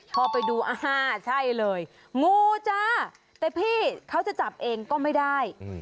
พอไปดูอ่าใช่เลยงูจ้าแต่พี่เขาจะจับเองก็ไม่ได้